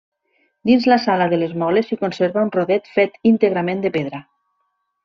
Dins la sala de les moles s'hi conserva un rodet fet íntegrament de pedra.